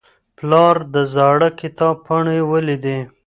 پلار د زاړه کتاب پاڼې ولیدې.